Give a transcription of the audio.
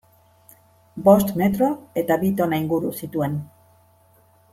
Bost metro eta bi tona inguru zituen.